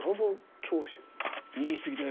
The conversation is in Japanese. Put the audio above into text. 言い過ぎだよ。